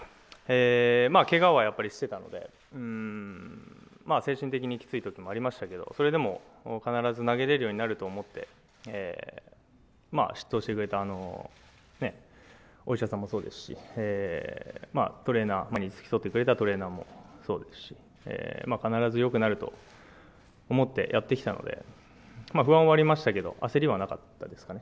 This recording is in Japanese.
けがはやっぱりしてたので、精神的にきついときもありましたけど、それでも必ず投げれるようになると思ってまあ執刀してくれたお医者さんもそうですし、付き添ってくれたトレーナーもそうですし、必ずよくなると思ってやってきたので、不安はありましたけれども焦りはなかったですかね。